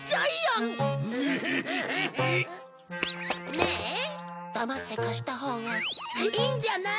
ねえ黙って貸したほうがいいんじゃない？